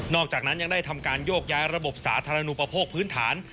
อกจากนั้นยังได้ทำการโยกย้ายระบบสาธารณูประโภคพื้นฐาน